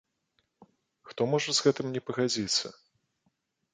Хто можа з гэтым не пагадзіцца?